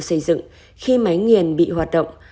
xây dựng khi máy nhiền bị hoạt động